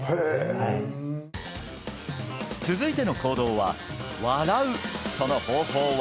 はい続いての行動は笑うその方法は？